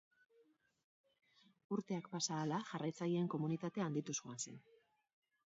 Urteak pasa ahala, jarraitzaileen komunitatea handituz joan zen.